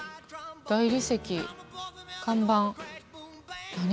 大理石看板何？